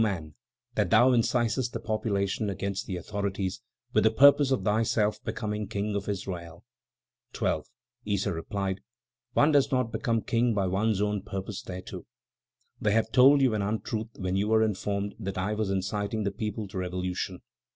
Man; that thou incitest the populace against the authorities, with the purpose of thyself becoming King of Israel?" 12. Issa replied, "One does not become king by one's own purpose thereto. They have told you an untruth when you were informed that I was inciting the people to revolution.